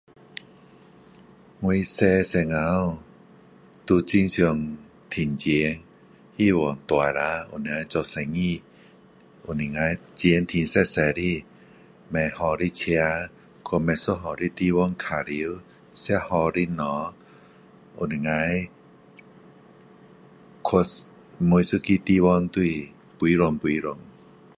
我小时候，都很想赚钱。希望大了能够做生意，又能够钱赚多多的。买好的车，去不一样的地方玩耍。吃好的东西，能够去每个地方，都是飞哢飞哢。